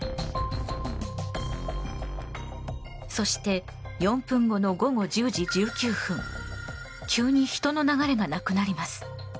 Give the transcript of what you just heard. そして４分後の午後１０時１９分急に人の流れがなくなります。